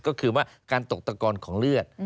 ก็คือว่าการตกตะกอนของเลือด